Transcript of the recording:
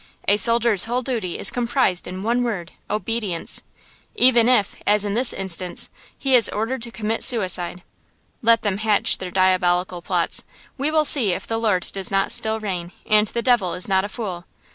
A soldier's whole duty is comprised in one word–obedience, even if, as in this instance, he is ordered to commit suicide. Let them hatch their diabolical plots. We will see if the Lord does not still reign, and the devil is not a fool.